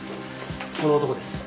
この男です。